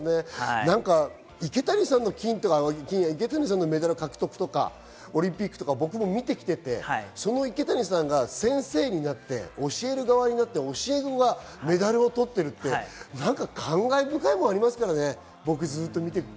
池谷さんのメダル獲得とかオリンピックとか、僕も見て来ていて、その池谷さんが先生になって教える側になって、教え子がメダルを取っているってなんか感慨深いものがあります。